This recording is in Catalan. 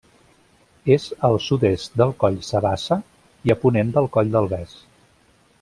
És al sud-est del Coll Sabassa i a ponent del Coll del Bes.